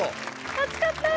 熱かった！